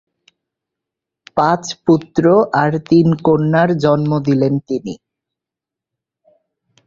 পাঁচ পুত্র আর তিন কন্যার জন্ম দিলেন তিনি।